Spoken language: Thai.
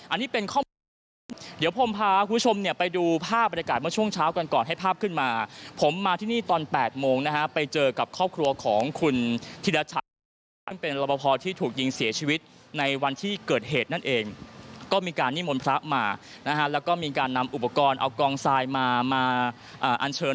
อันนี้เป็นข้อมูลของผมเดี๋ยวผมพาคุณผู้ชมเนี่ยไปดูภาพบรรยากาศเมื่อช่วงเช้ากันก่อนให้ภาพขึ้นมาผมมาที่นี่ตอน๘โมงนะฮะไปเจอกับครอบครัวของคุณธิรัชะซึ่งเป็นรบพอที่ถูกยิงเสียชีวิตในวันที่เกิดเหตุนั่นเองก็มีการนิมนต์พระมานะฮะแล้วก็มีการนำอุปกรณ์เอากองทรายมามาอันเชิญ